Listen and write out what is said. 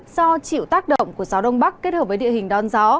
do chịu tác động của gió đông bắc kết hợp với địa hình đón gió